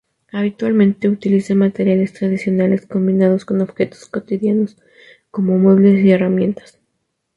Habitualmente utiliza materiales tradicionales combinados con objetos cotidianos, como muebles y herramientas.